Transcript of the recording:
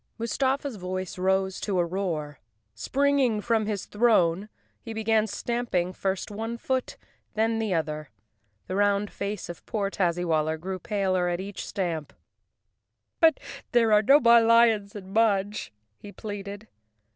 Mustafa's voice rose to a roar. Springing from his throne, he began stamping first one foot, then the other. The round face of poor Tazzywaller grew paler at each stamp. "But there are no more lions in Mudge," he pleaded.